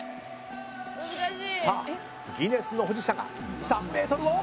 さあギネスの保持者が３ｍを跳ぶ！